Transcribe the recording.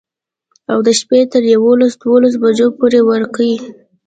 او د شپي تر يوولس دولسو بجو پورې ورقې.